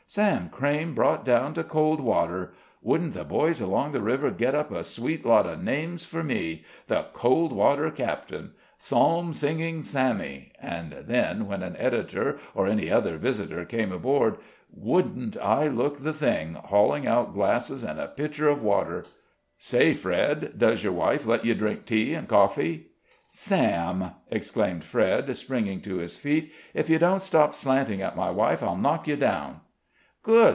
Sam Crayme brought down to cold water! Wouldn't the boys along the river get up a sweet lot of names for me the 'Cold water Captain,' 'Psalm singing Sammy!' and then, when an editor or any other visitor came aboard, wouldn't I look the thing, hauling out glasses and a pitcher of water! Say, Fred, does your wife let you drink tea and coffee?" "Sam!" exclaimed Fred, springing to his feet, "if you don't stop slanting at my wife, I'll knock you down." "Good!"